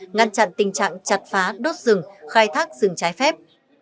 ngăn chặn tình trạng chặt phá đốt rừng khai thác rừng trái phép